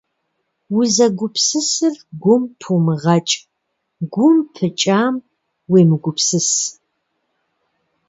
Узэгупсысыр гум пумыгъэкӏ, гум пыкӏам уемыгупсыс.